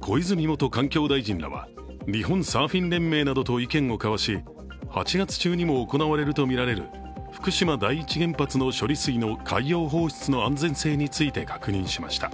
小泉元環境大臣らは日本サーフィン連盟などと意見を交わし、８月中にも行われるとみられる福島第一原発の処理水の海洋放出の安全性について確認しました。